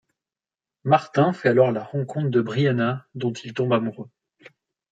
Martin fait alors la rencontre de Briana, dont il tombe amoureux.